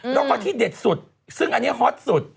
แล้วก็ที่เด็ดสุดซึ่งอันนี้ฮอตสุด